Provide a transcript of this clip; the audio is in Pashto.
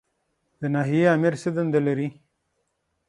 د ناحیې آمر څه دنده لري؟